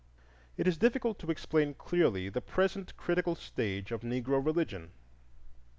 It is difficult to explain clearly the present critical stage of Negro religion.